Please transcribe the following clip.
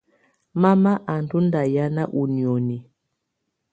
Mama à ndɔ̀ ndà hianà ù nioni.